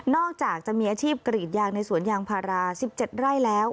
อกจากจะมีอาชีพกรีดยางในสวนยางพารา๑๗ไร่แล้ว